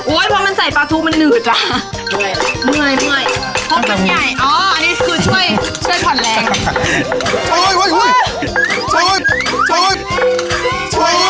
โอ้ยเพราะมันใส่ประถูมันหนืดอ่ะเหนื่อยเหนื่อยเหนื่อยเหนื่อยเพราะมันใหญ่